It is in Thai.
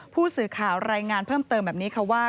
ผู้สื่อข่าวรายงานเพิ่มเติมแบบนี้ค่ะว่า